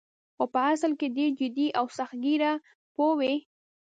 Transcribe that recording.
خو په اصل کې ډېر جدي او سخت ګیره پوه وې.